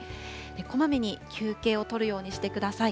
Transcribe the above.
こまめに休憩をとるようにください。